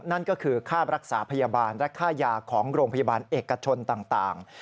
นั่นก็คือค่ารักษาพยาบาลและค่ายาของโรงพยาบาลเอกชนต่าง